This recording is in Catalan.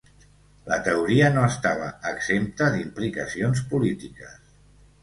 La teoria no estava exempta d'implicacions polítiques.